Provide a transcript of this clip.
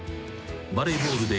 ［バレーボールで］